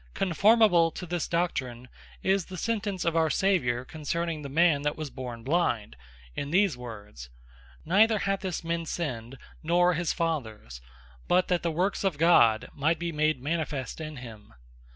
Conformable to this doctrine is the sentence of our Saviour, concerning the man that was born Blind, in these words, "Neither hath this man sinned, nor his fathers; but that the works of God might be made manifest in him."